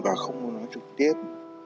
mẹ không muốn nói trực tiếp